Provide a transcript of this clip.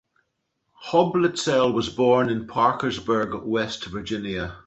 Hoblitzell was born in Parkersburg, West Virginia.